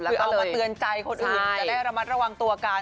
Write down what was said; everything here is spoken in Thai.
คือเอามาเตือนใจคนอื่นจะได้ระมัดระวังตัวกัน